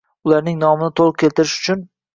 Ularning nomini to‘liq keltirish uchun